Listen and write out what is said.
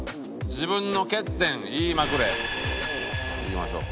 「自分の欠点言いまくれ」いきましょう。